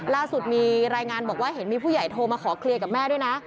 ล่าสุดมีรายงานบอกว่าเห็นมีผู้ใหญ่โทรมาขอเคลียร์กับแม่ด้วยนะ